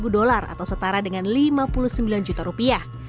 dua ribu dolar atau setara dengan lima puluh sembilan juta rupiah